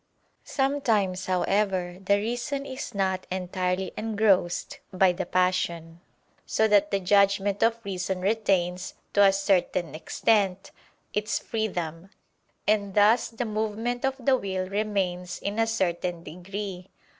Sometimes, however, the reason is not entirely engrossed by the passion, so that the judgment of reason retains, to a certain extent, its freedom: and thus the movement of the will remains in a certain degree.